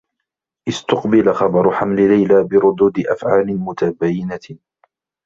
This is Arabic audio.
استُقبل خبر حمل ليلى بردود أفعال متباينة.